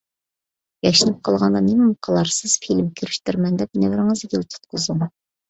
ياشىنىپ قالغاندا نېمىمۇ قىلارسىز فىلىم كىرىشتۈرىمەن دەپ، نەۋرىڭىزگىلا تۇتقۇزۇڭ.